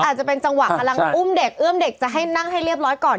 อาจจะเป็นจังหวะกำลังอุ้มเด็กเอื้อมเด็กจะให้นั่งให้เรียบร้อยก่อน